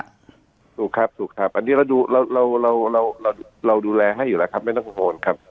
ถูกครับถูกครับอันนี้เราดูเราเราดูแลให้อยู่แล้วครับไม่ต้องกังวลครับ